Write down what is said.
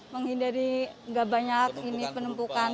menghindari nggak banyak ini penumpukan